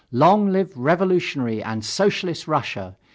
Long live revolutionary and Socialist Russia!